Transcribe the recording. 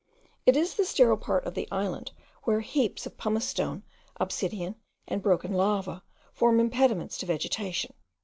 It is the sterile part of the island where heaps of pumice stone, obsidian, and broken lava, form impediments to vegetation.